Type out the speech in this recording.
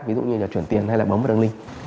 ví dụ như là chuyển tiền hay là bấm vào đường link